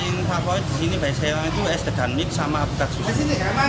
yang paling favorit disini biasanya itu es degan mix sama alpukat susu